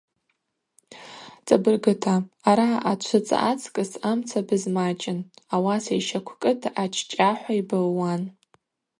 Цӏабыргыта, араъа Ачвыцӏа ацкӏыс амцабыз мачӏын, ауаса йщаквкӏыта ачӏчӏа – хӏва йбылуан.